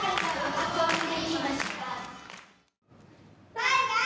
バイバイ。